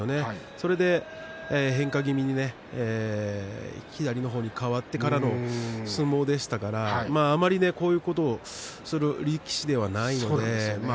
それで変化気味に左の方に変わってからの相撲でしたからあまりこういうことをする力士ではないですよね。